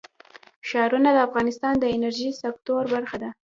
ښارونه د افغانستان د انرژۍ سکتور برخه ده.